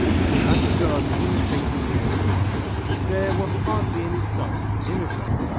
But as regards imitating the antique, there were hardly any samples to imitate.